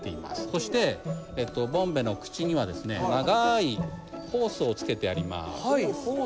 そしてボンベの口にはですね長いホースをつけてあります。